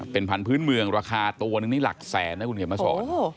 เป็นพันธุ์พื้นเมืองราคาตัวนึงครับหลักแสนด้วยคุณเคียบมาโสน